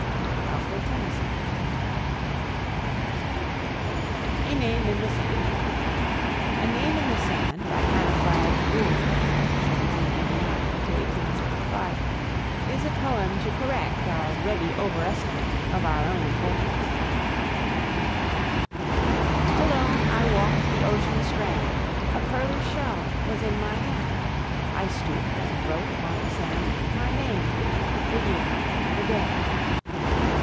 ALFRED TENNYSON. A NAME IN THE SAND. "A Name in the Sand," by Hannah Flagg Gould (1789 1865), is a poem to correct our ready overestimate of our own importance. Alone I walked the ocean strand; A pearly shell was in my hand: I stooped and wrote upon the sand My name the year the day.